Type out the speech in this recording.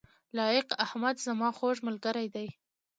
لائق احمد زما خوږ ملګری دی